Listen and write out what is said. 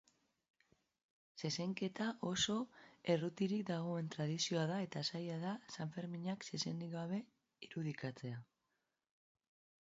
Zezenketa oso erroturik dagoen tradizioa da eta zaila da sanferminak zezenik gabe irudikatzea.